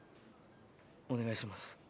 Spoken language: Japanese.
お願いします。